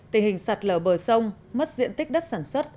tình hình sạt lở bờ sông mất diện tích đất sản xuất